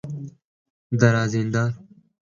دراځینده